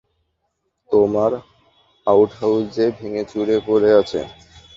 তোমার আউটহাউসে ভেঙে চুরে পরে আছে।